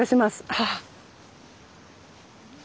ああ。